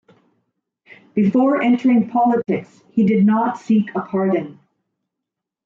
Before entering politics, he did not seek a pardon.